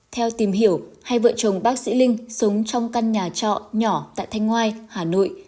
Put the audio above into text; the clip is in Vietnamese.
theo tìm hiểu hai vợ chồng bác sĩ linh sống trong căn nhà trọ nhỏ tại thanh ngoai hà nội